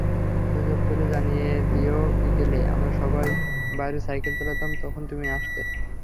সুযোগ পেলে জানিয়ে দিয়োবিকেলে আমরা যখন বাইরে সাইকেল চালাতাম, তখন তুমি আসতে।